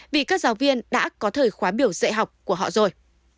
vì các giáo viên đã có thời khóa biểu dạy học của họ rồi